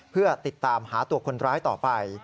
เพื่อติดตามหาตัวคนร้ายต่อไป